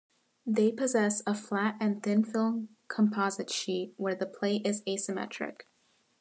They possess a flat and thin-film composite sheet where the plate is asymmetric.